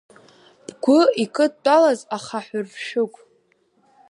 Бгәы икыдтәалаз ахаҳәыршәыгә.